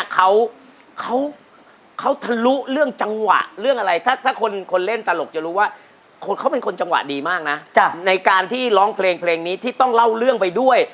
เขาเป็นคนจังหวะดีมากนะในการที่ร้องเพลงนี้ที่ต้องเล่าเรื่องไปด้วย